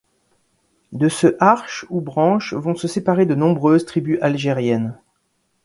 De ce Arch ou branche vont se séparer de nombreuses tribus algériennes.